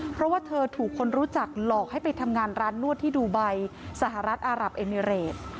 เพราะว่าเธอถูกคนรู้จักหลอกให้ไปทำงานร้านนวดที่ดูไบสหรัฐอารับเอมิเรต